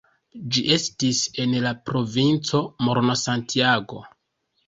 Ĝi estas en la provinco Morona-Santiago.